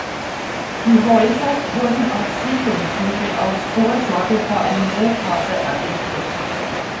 Die Häuser wurden auf Siedlungshügel aus Vorsorge vor einem Hochwasser errichtet.